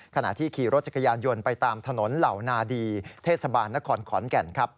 ขณะที่ขี่รถจักรยานยนต์ไปตามถนนเหล่านาดีเทศบาลนครขอนแก่น